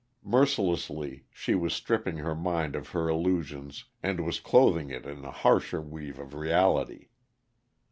Mercilessly she was stripping her mind of her illusions, and was clothing it in the harsher weave of reality.